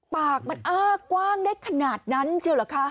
ปากมันอ้ากว้างได้ขนาดนั้นเชียวเหรอคะ